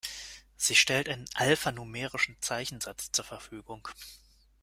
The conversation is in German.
Sie stellt einen alphanumerischen Zeichensatz zur Verfügung.